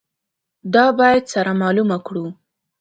دا باید سره معلومه کړو.